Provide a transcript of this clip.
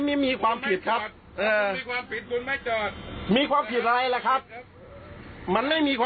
ไม่มีครับไม่มีครับไม่มีครับไม่มีครับ